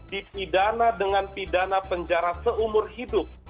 dipidana dengan pidana penjara seumur hidup